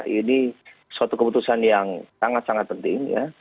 ini suatu keputusan yang sangat sangat penting ya